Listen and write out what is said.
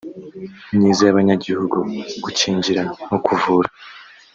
myiza y abanyagihugu gukingira no kuvura